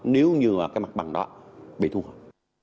nếu như cái mặt bằng đó bị thu hồi